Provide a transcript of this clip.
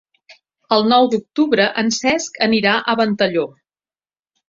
El nou d'octubre en Cesc anirà a Ventalló.